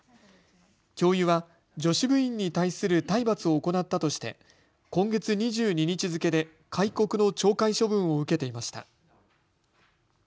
教諭は女子部員に対する体罰を行ったとして今月２２日付けで戒告の懲戒処分を受けていました。